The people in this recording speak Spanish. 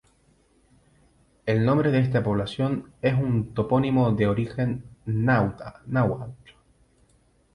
El nombre de este población es un topónimo de origen náhuatl.